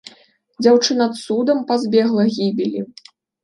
Дзяўчына цудам пазбегла гібелі.